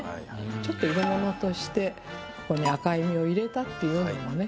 ちょっと色物としてここに赤い実を入れたっていうのもね